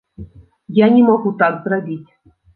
Я не магу так зрабіць.